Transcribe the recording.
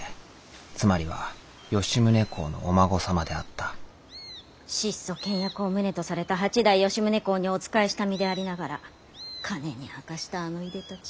つまりは吉宗公のお孫様であった質素倹約を旨とされた八代吉宗公にお仕えした身でありながら金にあかしたあのいでたち。